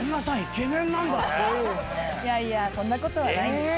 いやいやそんなことはないです。